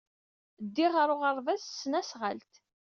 Ddiɣ ɣer uɣerbaz s tesnasɣalt.